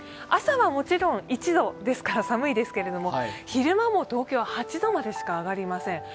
朝はもちろん１度ですから寒いですけれども、昼間の東京は８度までしか上がりません。